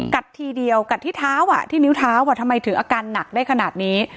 ทีเดียวกัดที่เท้าที่นิ้วเท้าทำไมถึงอาการหนักได้ขนาดนี้